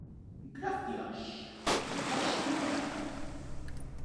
gracias. no pasa nada .